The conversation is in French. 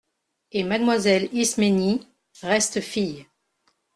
Et mademoiselle Isménie reste fille !